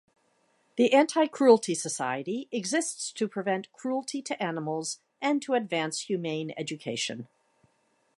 The Anti-Cruelty Society exists to prevent cruelty to animals and to advance humane education.